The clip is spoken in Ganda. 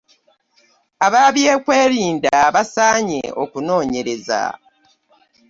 Abeebyokwerinda basaanye okunoonyereza.